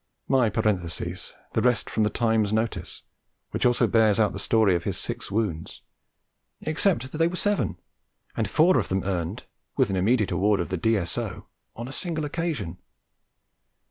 My parenthesis; the rest from The Times notice, which also bears out the story of the six wounds, except that they were seven, and four of them earned ('with an immediate award of the D.S.O.') on a single occasion.